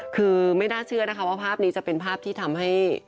คือไม่น่าเชื่อนะคะว่าภาพนี้จะเป็นภาพที่ทำให้